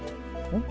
ん？